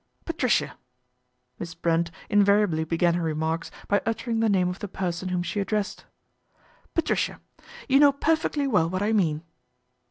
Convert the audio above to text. " Patricia." Miss Brent invariably began her remarks by uttering the name of the person whom she addressed. " Patricia, you know perfectly well what I mean."